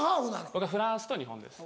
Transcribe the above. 僕はフランスと日本です。